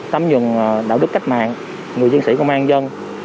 tấm dừng đạo đức cách mạng người diễn sĩ công an dân